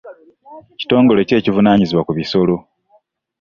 Kitongole ki ekivunaanyizibwa ku bisolo?